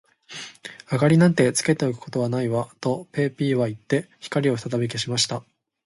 「明りなんかつけておくことはないわ」と、ペーピーはいって、光をふたたび消した。